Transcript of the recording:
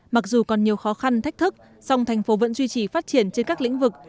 mặc dù còn nhiều khó khăn thách thức song thành phố vẫn duy trì phát triển trên các lĩnh vực